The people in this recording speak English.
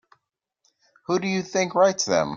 Who do you think writes them?